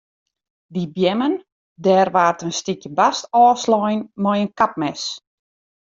Dy beammen dêr waard in stikje bast ôfslein mei in kapmes.